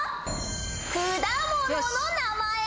果物の名前。